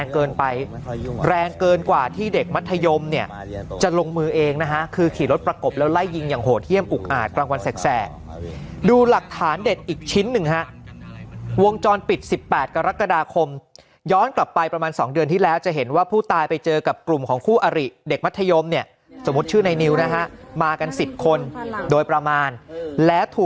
เกินไปแรงเกินกว่าที่เด็กมัธยมเนี่ยจะลงมือเองนะฮะคือขี่รถประกบแล้วไล่ยิงอย่างโหดเยี่ยมอุกอาจกลางวันแสกดูหลักฐานเด็ดอีกชิ้นหนึ่งฮะวงจรปิด๑๘กรกฎาคมย้อนกลับไปประมาณ๒เดือนที่แล้วจะเห็นว่าผู้ตายไปเจอกับกลุ่มของคู่อริเด็กมัธยมเนี่ยสมมุติชื่อในนิวนะฮะมากัน๑๐คนโดยประมาณและถูก